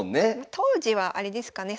当時はあれですかね